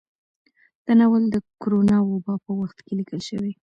دا ناول د کرونا وبا په وخت کې ليکل شوى